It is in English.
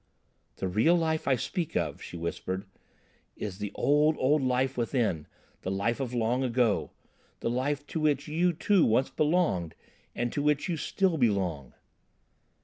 "The real life I speak of," she whispered, "is the old, old life within, the life of long ago, the life to which you, too, once belonged, and to which you still belong."